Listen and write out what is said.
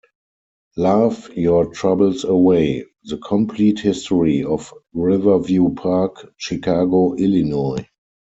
"Laugh your troubles away : The complete history of Riverview Park, Chicago, Illinois".